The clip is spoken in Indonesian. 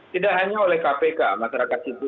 tidak hanya oleh kpk masyarakat itu